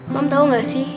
mam tau gak sih